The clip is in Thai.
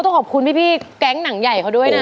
ต้องขอบคุณพี่แก๊งหนังใหญ่เขาด้วยนะ